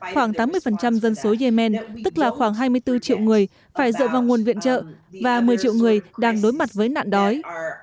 khoảng tám mươi dân số yemen tức là khoảng hai mươi bốn triệu người phải dựa vào nguồn viện trợ và một mươi triệu người đang đối mặt với nạn đói